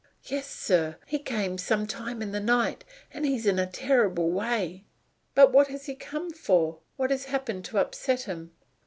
"Yes, sir. He came some time in the night, and he's in a terrible way." "But what has he come for? What has happened to upset him?"